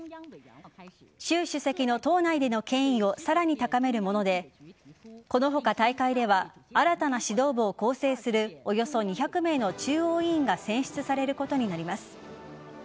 習主席の党内での権威をさらに高めるものでこの他、大会では新たな指導部を構成するおよそ２００名の中央委員が選出されることになります。